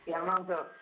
ya memang tuh